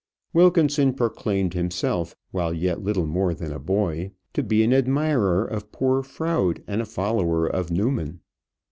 Wilkinson proclaimed himself, while yet little more than a boy, to be an admirer of poor Froude and a follower of Newman.